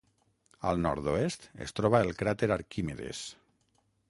Al nord-oest es troba el cràter Arquimedes.